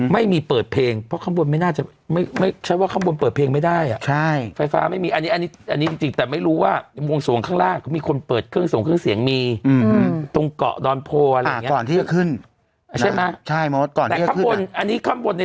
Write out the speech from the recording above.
มีตัวผู้ตัวเมียอีกนะเม